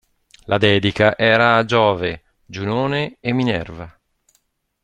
La dedica era a Giove, Giunone e Minerva.